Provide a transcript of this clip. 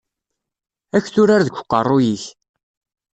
Ad k-turar deg uqerruy-ik.